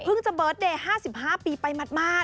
เพิ่งจะเบิร์ตเดย๕๕ปีไปมาด